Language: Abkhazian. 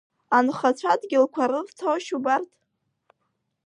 Анхацәа адгьылқәа рырҭошь убарҭ?